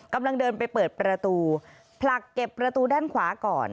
กำลังเดินไปเปิดประตูผลักเก็บประตูด้านขวาก่อน